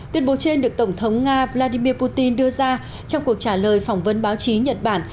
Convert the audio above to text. tuyên bố trên được tổng thống nga vladimir putin đưa ra trong cuộc trả lời phỏng vấn báo chí nhật bản